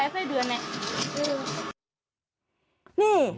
ไม่ใช่สวยเดือนไง